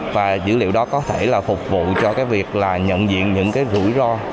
và dữ liệu đó có thể là phục vụ cho cái việc là nhận diện những cái rủi ro